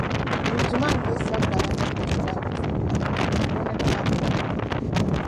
Yi Duuma nnyɛ sagbana ni tiŋgbani Duuma, Ŋuna n-nam li.